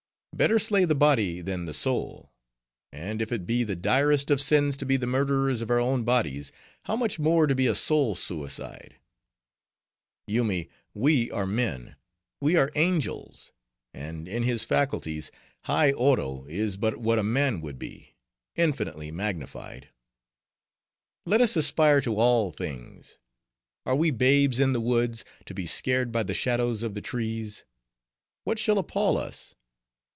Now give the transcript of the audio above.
Better slay the body than the soul; and if it be the direst of sins to be the murderers of our own bodies, how much more to be a soul suicide. Yoomy, we are men, we are angels. And in his faculties, high Oro is but what a man would be, infinitely magnified. Let us aspire to all things. Are we babes in the woods, to be scared by the shadows of the trees? What shall appall us?